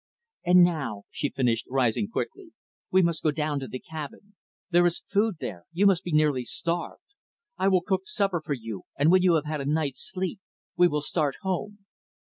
"And now," she finished, rising quickly, "we must go down to the cabin. There is food there. You must be nearly starved. I will cook supper for you, and when you have had a night's sleep, we will start home."